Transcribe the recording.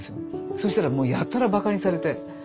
そしたらもうやたらバカにされて。